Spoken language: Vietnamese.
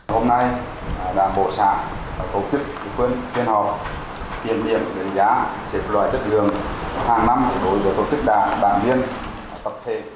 hôm nay là bộ xã tổ chức quân kênh họ kiểm nghiệm đánh giá xếp loại chất lượng hàng năm đối với tổ chức đảng đảng viên tập thể